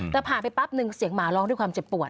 แต่ผ่านไปปั๊บนึงเสียงหมาร้องด้วยความเจ็บปวด